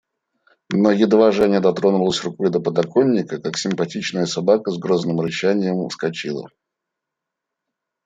Но едва Женя дотронулась рукой до подоконника, как симпатичная собака с грозным рычанием вскочила.